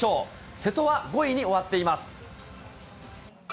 瀬戸は５位に終わっています。